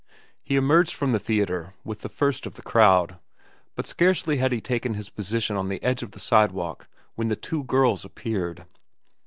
He emerged from the theatre with the first of the crowd; but scarcely had he taken his position on the edge of the sidewalk when the two girls appeared.